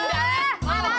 parah banget lo